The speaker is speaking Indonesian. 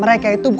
usia delapan tahun